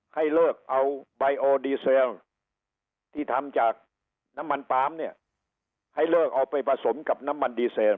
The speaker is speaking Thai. ให้เลิกเอาไบโอดีเซลที่ทำจากน้ำมันปลามเนี่ยให้เลิกเอาไปผสมกับน้ำมันดีเซล